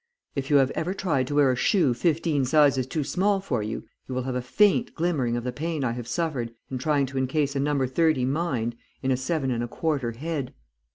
If you have ever tried to wear a shoe fifteen sizes too small for you, you will have a faint glimmering of the pain I have suffered in trying to encase a number thirty mind in a seven and a quarter head.